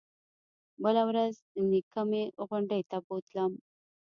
بله ورځ نيكه مې غونډۍ ته بوتلم.